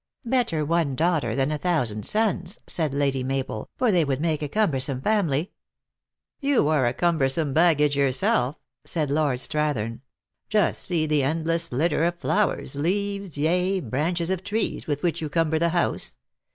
" Better one daughter than a thousand sons," said Lady Mabel, " for they would make a cumbersome family." "You are a cumbersome baggage yourself," said Lord Strathern. " Just see the endless litter of flowers, leaves, yea, branches of trees, with which you cumber the house.